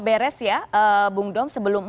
beres ya bung dom sebelum empat belas